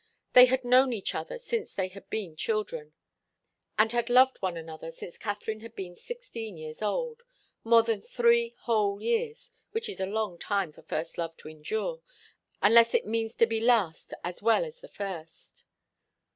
They had known each other since they had been children, and had loved one another since Katharine had been sixteen years old, more than three whole years, which is a long time for first love to endure, unless it means to be last as well as the first.